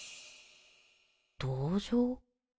同情？